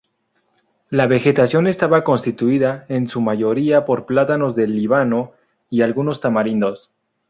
La vegetación estaba constituida, en su mayoría, por plátanos del Líbano y algunos tamarindos.